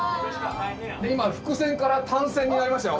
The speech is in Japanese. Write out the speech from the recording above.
今複線から単線になりましたよ